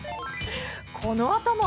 このあとも。